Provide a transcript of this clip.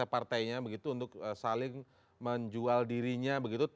partainya begitu untuk saling menjual dirinya begitu